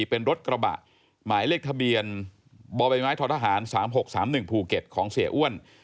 เป็นรถกระบะหมายเลขทะเบียนบใบไม้ท้อทหาร๓๖๓๑ภูเก็ตของเสียอ้วน